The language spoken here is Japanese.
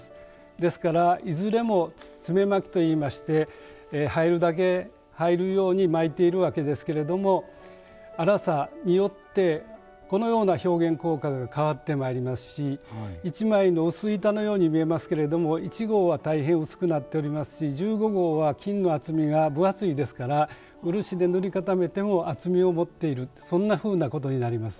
ですからいずれも詰め蒔きといいまして入るだけ入るように蒔いているわけですけれども粗さによってこのような表現効果が変わってまいりますし一枚の薄板のように見えますけれども１号は大変薄くなっておりますし１５号は金の厚みが分厚いですから漆で塗り固めても厚みを持っているそんなふうなことになります。